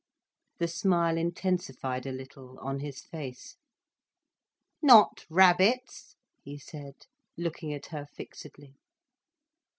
The smile intensified a little, on his face. "Not rabbits?" he said, looking at her fixedly.